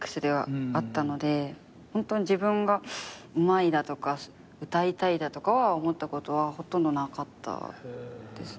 本当に自分がうまいだとか歌いたいだとかは思ったことはほとんどなかったですね。